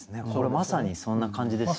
まさにそんな感じですね。